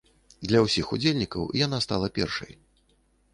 Для ўсіх удзельнікаў яна стала першай.